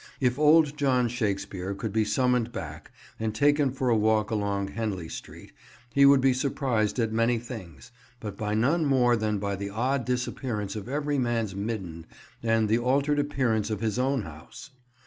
If old John Shakespeare could be summoned back and taken for a walk along Henley Street, he would be surprised at many things, but by none more than by the odd disappearance of every man's midden and the altered appearance of his own house.